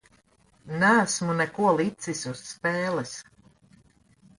Neesmu neko licis uz spēles.